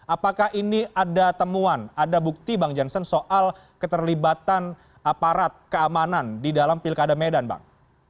apakah ini ada temuan ada bukti bang jansen soal keterlibatan aparat keamanan di dalam pilkada medan bang